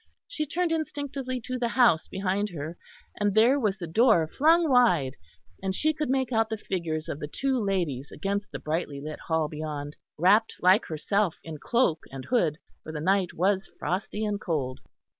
She turned instinctively to the house behind her, and there was the door flung wide, and she could make out the figures of the two ladies against the brightly lit hall beyond, wrapped like herself, in cloak and hood, for the night was frosty and cold.